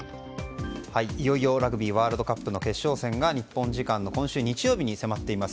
いよいよラグビーワールドカップの決勝戦が日本時間の今週日曜日に迫っています。